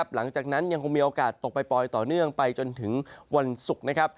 หลังจากนั้นยังคงมีโอกาสตกปล่อยต่อเนื่องไปจนถึงวันศุกร์นะครับ